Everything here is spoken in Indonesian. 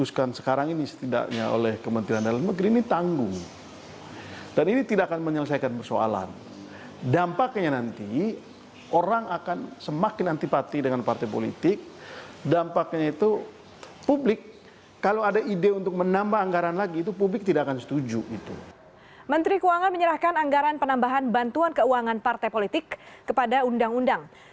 menteri keuangan menyerahkan anggaran penambahan bantuan keuangan partai politik kepada undang undang